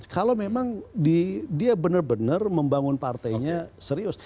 kalau memang dia benar benar membangun partainya serius